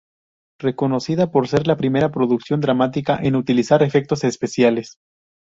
Reconocida por ser la primera producción dramática en utilizar efectos especiales.